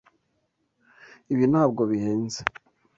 Ibi ntabwo bihenze.